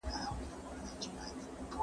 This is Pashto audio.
د پانګوني لوړوالی د ودي تابع دی.